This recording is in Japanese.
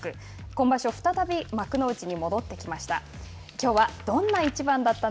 今場所再び幕内に戻ってきました。